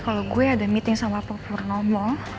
kalau gue ada meeting sama pak purnomo